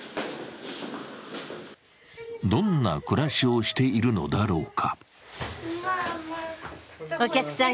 どんな暮らしをしているのだろうか。